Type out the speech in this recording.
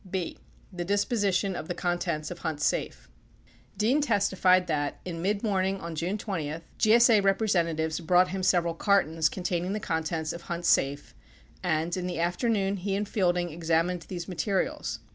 4 B. The Disposition op the Contents op Hunt's Safe Dean testified that, in mid morning on June 20, GSA representa tives brought him several cartons containing the contents of Hunt's safe and, in the afternoon, he and Fielding examined these materials.